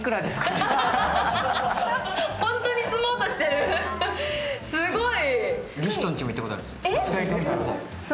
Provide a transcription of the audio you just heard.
ホントに住もうとしてる、すごい。